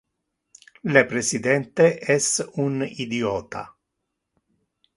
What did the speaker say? Le presidente es un idiota.